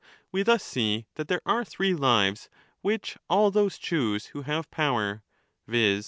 We thus see that there are 36 three lives which all those choose who have power, viz.